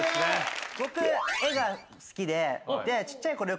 僕絵が好きでちっちゃいころ